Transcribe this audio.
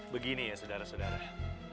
begini ya saudara saudara